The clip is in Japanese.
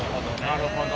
なるほど。